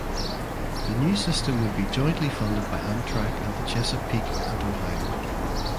The new system would be jointly funded by Amtrak and the Chesapeake and Ohio.